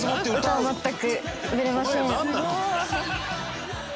「歌は全くブレません」